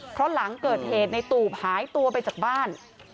เพราะหลังเกิดเหตุในตูบหายตัวไปจากบ้าน